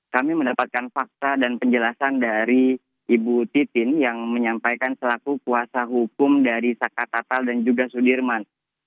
kami mendapatkan fakta dan penjelasan dari ibu titin yang menyampaikan selaku kuasa hukum dari saka tatal dan juga sudirman